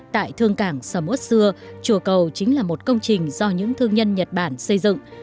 tại thương cảng sầm út xưa chùa cầu chính là một công trình do những thương nhân nhật bản xây dựng